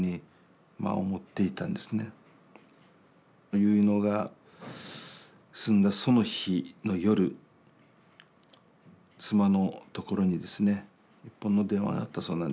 結納が済んだその日の夜妻のところにですね一本の電話があったそうなんです。